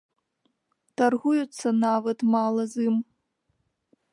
Таргуюцца нават мала з ім.